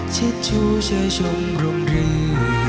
ชิดชู้เชื่อชมรมรึง